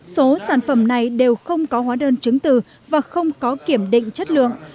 số sản phẩm này đều không có hóa đơn chứng từ và không có kiểm định chất lượng